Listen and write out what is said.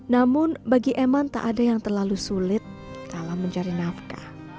namun bagi eman tak ada yang terlalu sulit dalam mencari nafkah